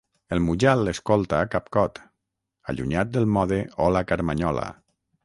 El Mujal l'escolta capcot, allunyat del mode hola-Carmanyola.